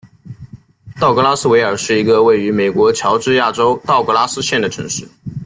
道格拉斯维尔是一个位于美国乔治亚州道格拉斯县的城市。